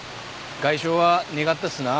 外傷はねかったっすな。